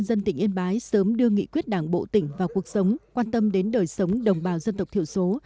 dân tỉnh yên bái sớm đưa nghị quyết đảng bộ tỉnh vào cuộc sống quan tâm đến đời sống đồng bào dân tộc thiểu số